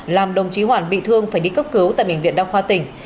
làm đồng chí hoàn bị thương phải đi cấp cứu tại bệnh viện đa khoa tỉnh